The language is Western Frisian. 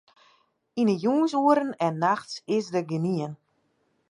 Yn 'e jûnsoeren en nachts is dêr gjinien.